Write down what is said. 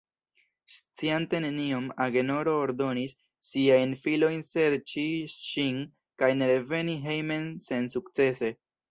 Sciante nenion, Agenoro ordonis siajn filojn serĉi ŝin, kaj ne reveni hejmen sensukcese.